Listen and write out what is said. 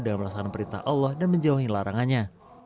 dalam melaksanakan perintah allah dan menjauhi larangannya